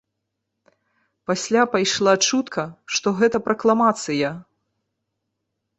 Пасля пайшла чутка, што гэта пракламацыя.